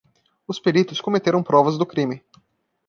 Os peritos cometeram provas do crime.